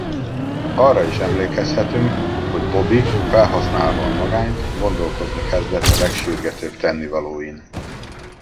Arra is emlékezhetünk, hogy Bobby, felhasználva a magányt, gondolkozni kezdett a legsürgetőbb tennivalóin.